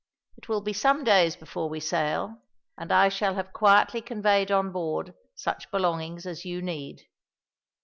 It will be some days before we sail, and I shall have quietly conveyed on board such belongings as you need."